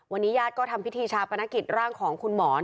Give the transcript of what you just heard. วันนี้ญาติก็ทำพิธีชาปนกิจร่างของคุณหมอน